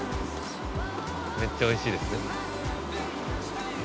・めっちゃおいしいです？